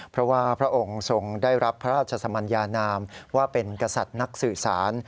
เพราะว่าพระองค์ทรงได้รับพระราชสมัญญานามว่าเป็นกษัตริย์นักสื่อสาร